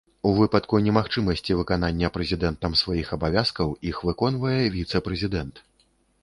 У выпадку немагчымасці выканання прэзідэнтам сваіх абавязкаў іх выконвае віцэ-прэзідэнт.